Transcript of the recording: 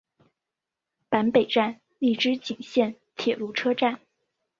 坂北站筱之井线铁路车站。